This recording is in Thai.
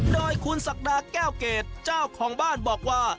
โดยคุณศักดาแก้วเกรดเจ้าของบ้านบอกว่า